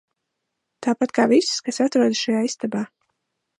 Tāpat kā viss, kas atrodas šajā istabā.